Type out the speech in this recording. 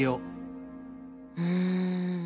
うん。